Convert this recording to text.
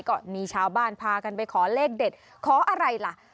ก็มีชาวบ้านพากันไปขอเลขเด็ดขออะไรล่ะ